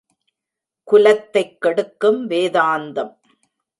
குலத்தைக் கெடுக்கும் வேதாந்தம்!